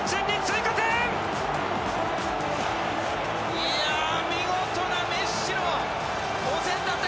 いや見事なメッシのお膳立て。